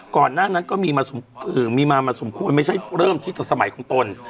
ก่อนหน้านั้นก็มีมามาสมควรไม่ใช่เริ่มที่สมัยของตน